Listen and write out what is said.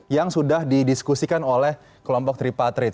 yang sudah didiskusikan oleh kelompok tripatrit